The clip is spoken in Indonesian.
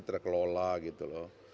terkelola gitu loh